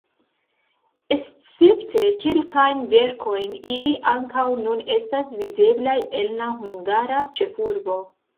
Escepte kelkajn verkojn ili ankaŭ nun estas videblaj en la hungara ĉefurbo.